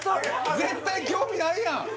絶対興味ないやん！